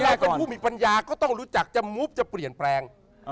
กลายเป็นผู้มีปัญญาก็ต้องรู้จักจะมุบจะเปลี่ยนแปลง